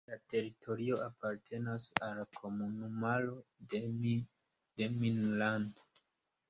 La teritorio apartenas al la komunumaro Demmin-Land.